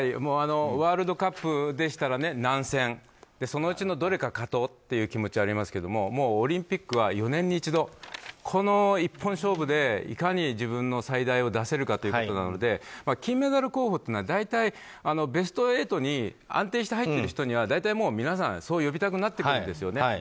ワールドカップでしたら何戦、そのうちのどれかで勝とうっていう気持ちありますがオリンピックは４年に一度、この一本勝負でいかに自分の最大を出せるかということなので金メダル候補というのは大体ベスト８に安定して入ってくる人には大体、皆さんそう呼びたくなってくるんですよね。